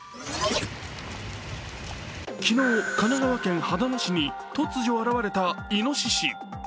昨日、神奈川県秦野市に突如現れたいのしし。